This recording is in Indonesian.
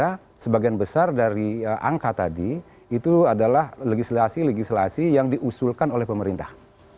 karena sebagian besar dari angka tadi itu adalah legislasi legislasi yang diusulkan oleh pemerintah